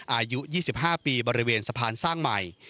อายุ๒๕ปีบริเวณสะพานสร้างใหม่